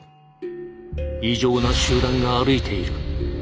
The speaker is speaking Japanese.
異常な集団が歩いている。